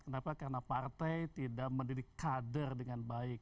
kenapa karena partai tidak mendidik kader dengan baik